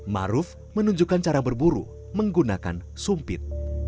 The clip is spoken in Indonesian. maruf menunjukkan cara berburu menggunakan sumpit